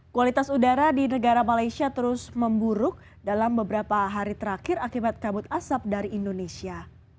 kualitas udara di negara malaysia terus memburuk dalam beberapa hari terakhir akibat kabut asap dari indonesia